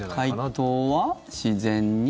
解凍は自然に？